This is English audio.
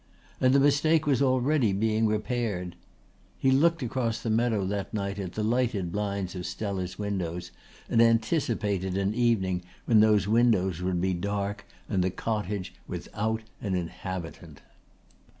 And the mistake was already being repaired. He looked across the meadow that night at the lighted blinds of Stella's windows and anticipated an evening when those windows would be dark and the cottage without an inhabitant.